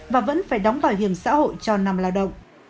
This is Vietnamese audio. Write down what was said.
và vẫn phải đóng bảo hiểm xã hội cho năm lao động